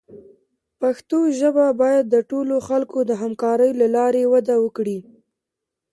پښتو ژبه باید د ټولو خلکو د همکارۍ له لارې وده وکړي.